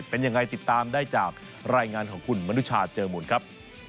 เป็นยังไงติดตามได้จากรายงานของคุณมนุชาเจอมูลครับ